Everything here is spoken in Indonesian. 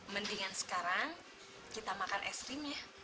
mendingan sekarang kita makan es krim ya